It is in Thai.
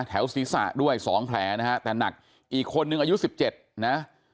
แถวศรีษะด้วยสองแผลนะฮะแต่หนักอีกคนนึงอายุสิบเจ็ดนะฮะ